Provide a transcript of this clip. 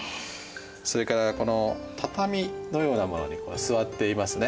それからこの畳のようなものに座っていますね。